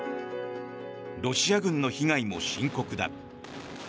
ロシア軍の被害も深刻だ。